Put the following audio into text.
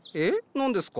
何ですか？